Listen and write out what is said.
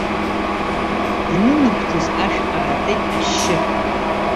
Данынагәҭас ашә аатит ашьшьыҳәа.